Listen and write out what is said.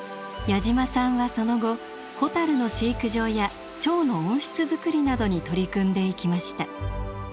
矢島さんはその後ホタルの飼育場やチョウの温室づくりなどに取り組んでいきました。